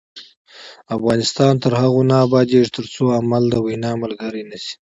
افغانستان تر هغو نه ابادیږي، ترڅو عمل د وینا ملګری نشي.